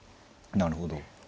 なるほど。